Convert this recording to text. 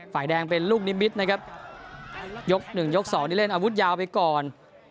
ฝ่ายแดงเป็นลูกนิมิตรนะครับยกหนึ่งยกสองนี่เล่นอาวุธยาวไปก่อน